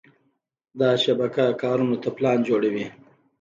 دا شبکه کارونو ته پلان جوړوي.